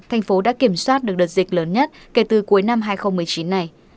thành phố đã kiểm soát được đợt dịch lớn nhất kể từ cuối năm hai nghìn một mươi chín này